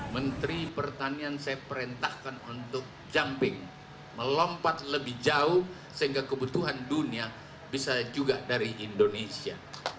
menteri pertanian saya perintahkan untuk jumping melompat lebih jauh sehingga kebutuhan dunia bisa juga dari indonesia